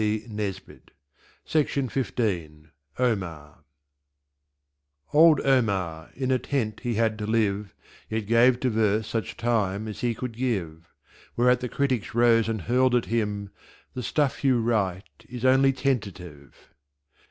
OMAR Old Omar, in a Tent he had to live, Yet gave to Verse such Time as he could give; Whereat the Critics rose and Hurled at Him: "The Stuff you write is only Tentative."